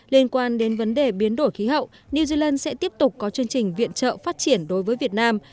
liên quan đến vấn đề biến đổi khí hậu new zealand sẽ tiếp tục có chương trình viện trợ phát triển đối với việt nam